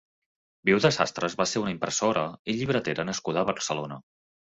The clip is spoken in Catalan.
Viuda Sastres va ser una impressora i llibretera nascuda a Barcelona.